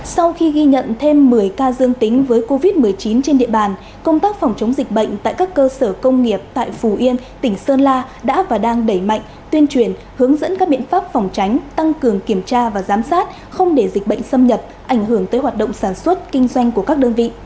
sau khi ghi nhận thêm một mươi ca dương tính với covid một mươi chín trên địa bàn công tác phòng chống dịch bệnh tại các cơ sở công nghiệp tại phù yên tỉnh sơn la đã và đang đẩy mạnh tuyên truyền hướng dẫn các biện pháp phòng tránh tăng cường kiểm tra và giám sát không để dịch bệnh xâm nhập ảnh hưởng tới hoạt động sản xuất kinh doanh của các đơn vị